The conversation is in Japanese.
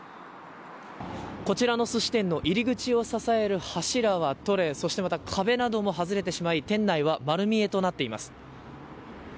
こちらの寿司店の入り口を支えている柱は取れそしてまた壁なども外れてしまい店内は丸見えとなっています。